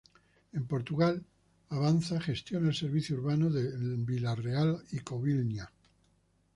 En Portugal, Avanza gestiona el servicio urbano de Vila Real y Covilhã.